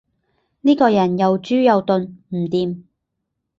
呢個人又豬又鈍，唔掂